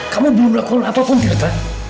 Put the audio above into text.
kamu belum melakukan apapun dirk